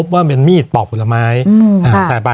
วันนี้แม่ช่วยเงินมากกว่า